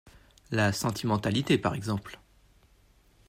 La sentimentalité, par exemple.